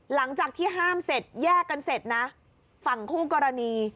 หลังจากที่ห้ามเสร็จแยกกันเสร็จนะฝั่งคู่กรณี